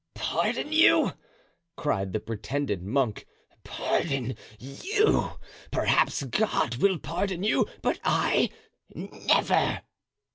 "Pardon you!" cried the pretended monk, "pardon you! Perhaps God will pardon you, but I, never!"